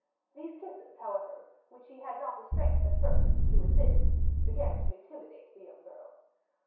These kisses, however, which she had not the strength at first to resist, began to intimidate the young girl.